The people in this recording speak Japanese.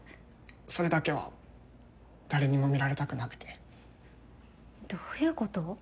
それだけは誰にも見られたくなくてどういうこと？